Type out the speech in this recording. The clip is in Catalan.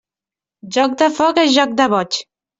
Joc de foc és joc de boig.